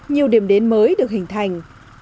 nhiều điểm đến mới được hình thành